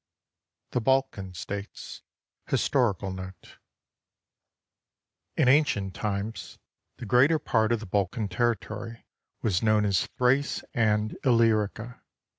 THE BALKAN STATES HISTORICAL NOTE In ancient times the greater part of the Balkan territory was known as Thrace and Illyrica.